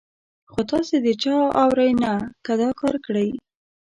خو تاسې د چا اورئ نه، که دا کار کړئ.